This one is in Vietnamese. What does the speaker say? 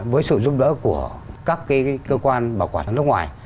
với sự giúp đỡ của các cơ quan bảo quản ở nước ngoài